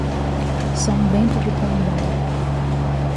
São Bento de Pombal